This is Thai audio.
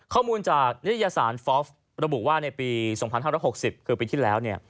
ข้อมูลจากนิตยสารฟอล์ฟระบุว่าในปี๒๕๖๐คือปีที่แล้ว